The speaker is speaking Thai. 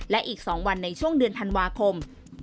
และอีก๒วันในช่วงเดือนธันวาคม